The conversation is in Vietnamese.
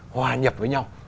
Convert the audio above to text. hòa nhập với nhau